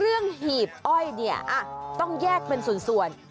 เครื่องหีบอ้อยเนี่ยต้องแยกเป็นส่วน